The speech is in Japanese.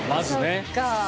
そっか。